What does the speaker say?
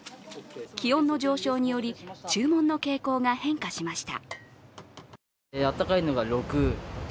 気温の上昇により、注文の傾向が変化しました。